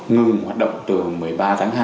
ngừng hoạt động từ một mươi ba tháng hai